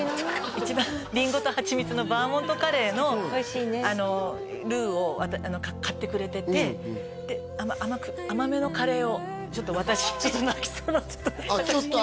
一番リンゴとハチミツのバーモントカレーのあのルーを買ってくれててで甘めのカレーをちょっと私に泣きそうになっちゃった